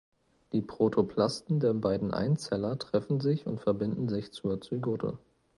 Die Protoplasten der beiden Einzeller treffen sich und verbinden sich zur Zygote.